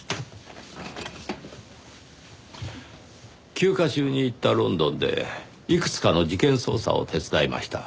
休暇中に行ったロンドンでいくつかの事件捜査を手伝いました。